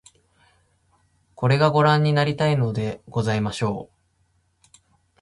これが御覧になりたいのでございましょう